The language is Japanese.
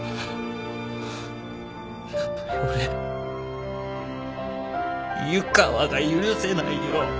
やっぱり俺湯川が許せないよ